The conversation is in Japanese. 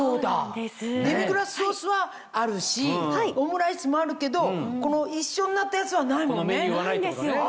デミグラスソースはあるしオムライスもあるけどこの一緒になったやつはないもんね。